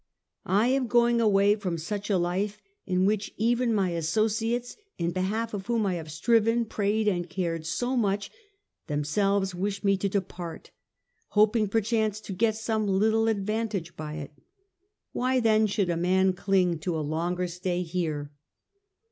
I am going away from such a life, in which even my associates, in behalf of whom I have striven, prayed, and cared so much, themselves wish me to depart, hoping perchance to get some little advantage by it. Why then should a man cling to a longer stay here